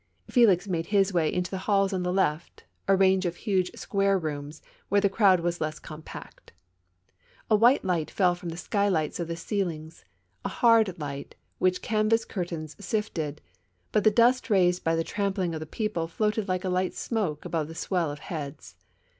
Felix made his vray into the halls on the left, a range of huge square rooms, wdiere the crowd was less com pact. A white light fell from the skylights of the ceil ings, a hard light which canvas curtains sifted ; but the dust raised by the tramping of the people floated like a light smoke above the SAvell of heads.